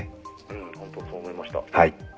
うん、本当にそう思いました。